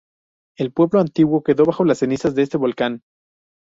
El pueblo antiguo quedó bajo las cenizas de este Volcán.